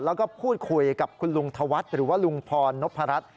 แล้วก็พูดคุยกับคุณลุงธวัฒน์หรือว่าลุงพรนพรัช